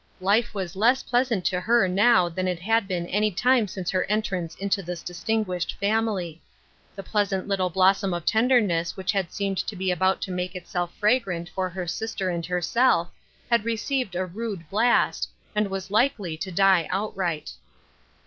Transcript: Life was less pleasant to her now than it had been any time since her entrance into this distinguished family. The pleasant little blossom of tenderness which had seemed to be about to make itself fragrant for her sister and herself had received a rude blast, and was likel}^ to die outright.